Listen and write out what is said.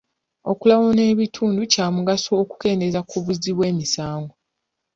Okulawuna ebitundu kya mugaso okukendeeza ku buzzi bw'emisango.